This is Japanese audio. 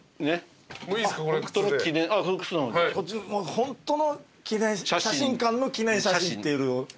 ホントの写真館の記念写真っていうのが。